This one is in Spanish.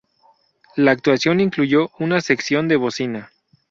La actuación incluyó una sección de bocina.